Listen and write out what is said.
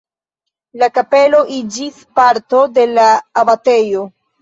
La kapelo iĝis parto de la abatejo.